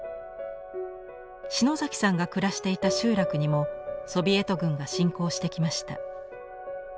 篠崎さんが暮らしていた集落にもソビエト軍が侵攻してきました。